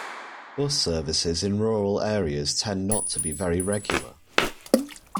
Bus services in rural areas tend not to be very regular.